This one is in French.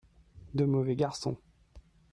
De mauvais garçons.